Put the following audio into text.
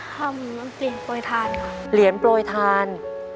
ทำเหรียญโปรยทาน